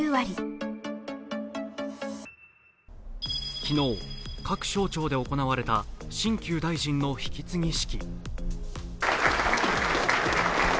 昨日、各省庁で行われた新旧大臣の引き継ぎ式。